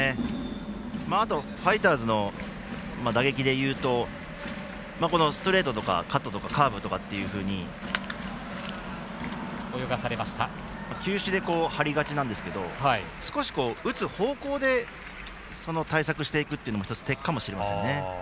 あと、ファイターズの打撃で言うとストレートとかカットとかカーブとかっていうふうに球種で張りがちなんですけど少し打つ方向で対策していくっていうのも一つ、手かもしれません。